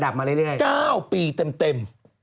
ก้าวปีเต็ม